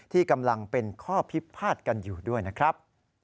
ที่กำลังเป็นข้อพิพาทกันอยู่ด้วยนะครับ